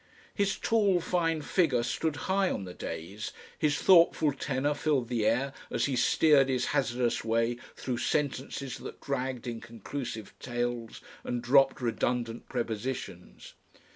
His tall fine figure stood high on the days, his thoughtful tenor filled the air as he steered his hazardous way through sentences that dragged inconclusive tails and dropped redundant prepositions.